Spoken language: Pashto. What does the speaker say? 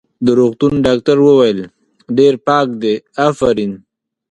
د روغتون ډاکټر وویل: ډېر پاک دی، افرین.